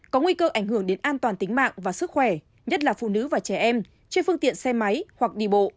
có nguy cơ ảnh hưởng đến an toàn tính mạng và sức khỏe nhất là phụ nữ và trẻ em trên phương tiện xe máy hoặc đi bộ